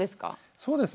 そうですね